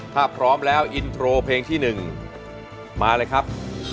ถ้าพร้อมแล้วอินโทรเพลงที่๑มาเลยครับ